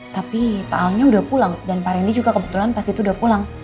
tapi pak alnya udah pulang dan pak rendy juga kebetulan pas itu udah pulang